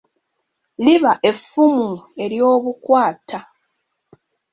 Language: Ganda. Liba effumu ery'obukwata.